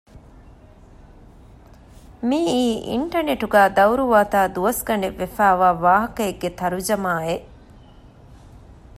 މިއީ އިންޓަނެޓުގައި ދައުރުވާތާ ދުވަސްގަނޑެއް ވެފައިވާ ވާހަކައެކެއްގެ ތަރުޖަމާއެއް